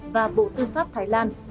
và bộ tư pháp thái lan